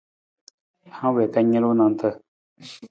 Hang wii ka nalu nanta.